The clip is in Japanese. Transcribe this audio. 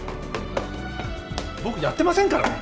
僕やってませんからね。